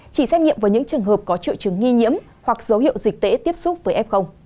chỉ xét nghiệm với những trường hợp có triệu chứng nghi nhiễm hoặc dấu hiệu dịch tễ tiếp xúc với f